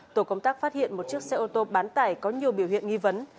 tổ công tác phát hiện một chiếc xe ô tô bán tải có nhiều biểu hiện nghi vấn